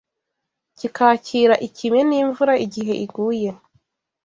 kikakira ikime n’imvura igihe iguye